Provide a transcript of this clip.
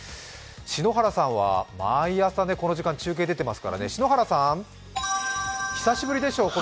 篠原さんは毎朝この時間、中継出ていますからね、久しぶりでしょう？